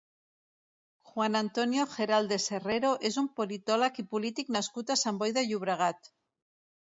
Juan Antonio Geraldes Herrero és un politòleg i polític nascut a Sant Boi de Llobregat.